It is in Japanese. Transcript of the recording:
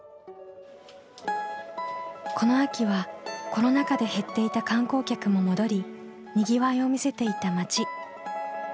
この秋はコロナ禍で減っていた観光客も戻りにぎわいを見せていた町。